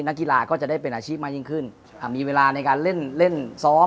นักกีฬาก็จะได้เป็นอาชีพมากยิ่งขึ้นอ่ามีเวลาในการเล่นเล่นซ้อม